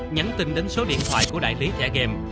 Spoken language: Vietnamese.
nhắn tin đến số điện thoại của đại lý trẻ game